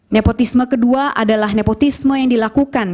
nepotisme kedua adalah nepotisme yang dilakukan